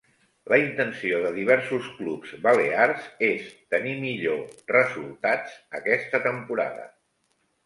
La intenció de diversos clubs balears és tenir millor resultats aquesta temporada.